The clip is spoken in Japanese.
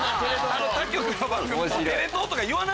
他局の番組テレ東とか言わなくていい。